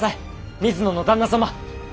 水野の旦那様！